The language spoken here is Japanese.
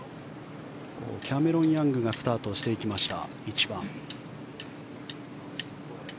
キャメロン・ヤングがスタートしていきました、１番。